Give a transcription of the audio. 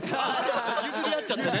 譲り合っちゃってね。